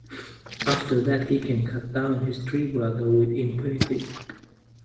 After that, he can cut down his tree-brother with impunity.